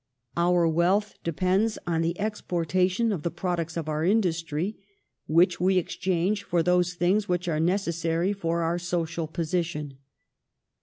Our wealth depends on the expor tation of the products of our industry, which we exchange for those things which are necessary for our social position.